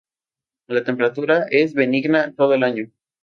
La temperatura es benigna todo el año.